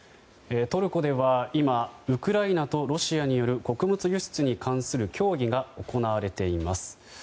トルコでは今ウクライナとロシアによる穀物輸出に関する協議が行われています。